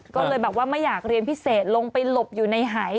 ก็เลยแบบว่าไม่อยากเรียนพิเศษลงไปหลบอยู่ในหาย